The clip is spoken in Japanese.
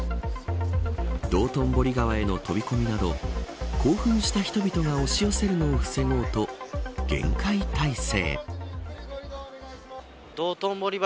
道頓堀川への飛び込みなど興奮した人々が押し寄せるのを防ごうと厳戒態勢。